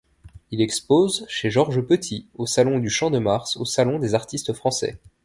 Il expose chez Georges Petit, au Salon du Champ-de-Mars, au Salon des artistes français.